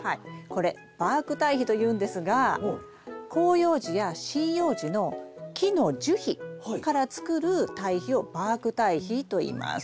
これバーク堆肥というんですが広葉樹や針葉樹の木の樹皮からつくる堆肥をバーク堆肥といいます。